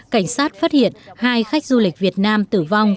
cảnh sát phát hiện hai khách du lịch việt nam tử vong